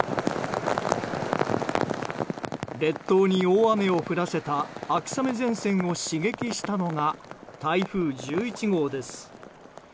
列島に大雨を降らせた秋雨前線を刺激したのが台風１１号です。